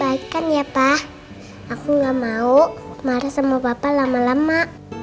baikkan ya pak aku gak mau marah sama papa lama lama